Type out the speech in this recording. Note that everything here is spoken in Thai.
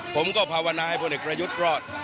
ภาวนาให้พลเอกประยุทธ์รอด